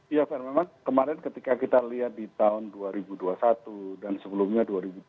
iya fer memang kemarin ketika kita lihat di tahun dua ribu dua puluh satu dan sebelumnya dua ribu dua puluh